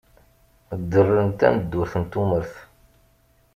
Dderen tameddurt n tumert.